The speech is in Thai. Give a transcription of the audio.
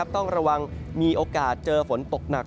ต้องระวังมีโอกาสเจอฝนตกหนัก